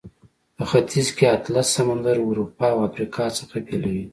په ختیځ کې اطلس سمندر اروپا او افریقا څخه بیلوي.